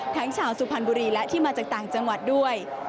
ชาวสุพรรณบุรีและที่มาจากต่างจังหวัดด้วย